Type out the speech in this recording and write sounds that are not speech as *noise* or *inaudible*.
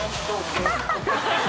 ハハハ *laughs*